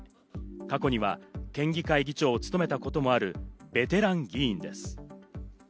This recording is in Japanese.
過去には県議会議長を務めたこともあるベテラン議員です。